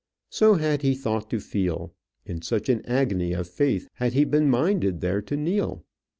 So had he thought to feel in such an agony of faith had he been minded there to kneel.